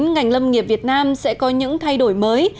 ngành lâm nghiệp việt nam sẽ có những thay đổi mới